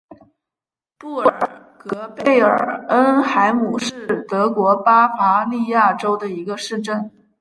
布尔格贝尔恩海姆是德国巴伐利亚州的一个市镇。